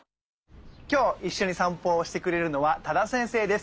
今日一緒に散歩をしてくれるのは多田先生です。